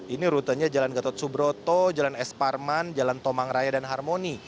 ini rutenya jalan gatot subroto jalan es parman jalan tomang raya dan harmoni